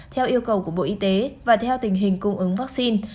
theo yêu cầu của bộ y tế và theo tình hình cung ứng vaccine